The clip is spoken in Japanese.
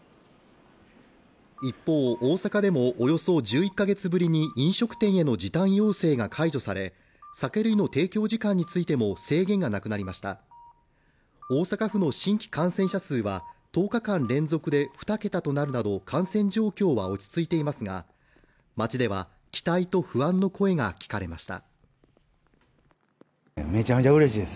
一方大阪でもおよそ１１か月ぶりに飲食店への時短要請が解除され酒類の提供時間についても制限がなくなりました大阪府の新規感染者数は１０日間連続で２桁となるなど感染状況は落ち着いていますが町では期待と不安の声が聞かれました